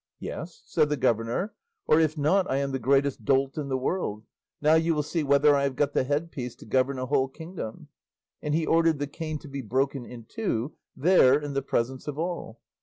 "Yes," said the governor, "or if not I am the greatest dolt in the world; now you will see whether I have got the headpiece to govern a whole kingdom;" and he ordered the cane to be broken in two, there, in the presence of all.